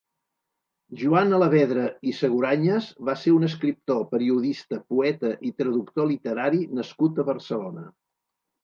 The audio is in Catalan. Joan Alavedra i Segurañas va ser un escriptor, periodista, poeta i traductor literari nascut a Barcelona.